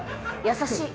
優しい。